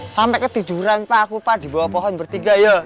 sampe ke tujuran pak aku pak dibawa pohon bertiga ya